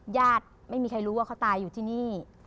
ญาติไม่มีใครรู้ว่าเขาตายอยู่ที่นี่